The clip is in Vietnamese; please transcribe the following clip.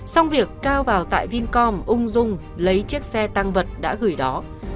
xong việc cao vào tại vincom ung dung lấy chiếc xe tăng vật đã gửi đó